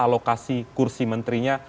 alokasi kursi menterinya